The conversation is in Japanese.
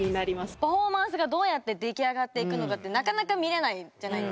パフォーマンスがどうやって出来上がっていくのかってなかなか見れないじゃないですか。